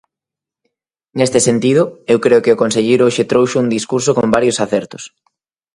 Neste sentido, eu creo que o conselleiro hoxe trouxo un discurso con varios acertos.